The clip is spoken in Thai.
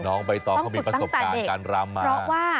น้องใบตองเขามีประสบการณ์การรำมา